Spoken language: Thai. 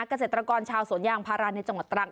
เกษตรกรชาวสวนยางพาราในจังหวัดตรัง